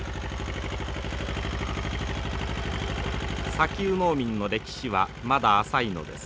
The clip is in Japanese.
砂丘農民の歴史はまだ浅いのです。